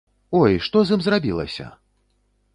Ой, што з ім зрабілася?